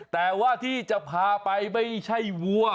แต่ว่าที่จะพาไปไม่ใช่วัว